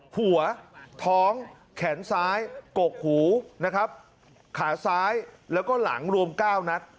หัวท้องแขนซ้ายกกหูนะครับขาซ้ายแล้วก็หลังรวม๙นัด